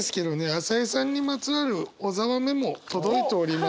朝井さんにまつわる小沢メモ届いております。